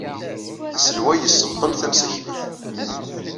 Aselway yessebṭel tamsaklit.